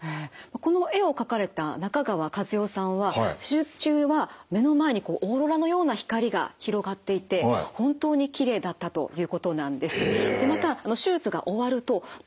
この絵を描かれた中川万代さんは手術中は目の前にこうオーロラのような光が広がっていて本当にきれいだったということなんです。